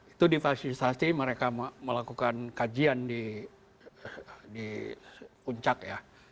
itu difasilitasi mereka melakukan kajian di puncak ya